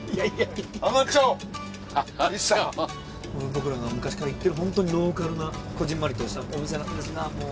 僕らが昔から行ってるホントにローカルなこぢんまりとしたお店なんですがもう。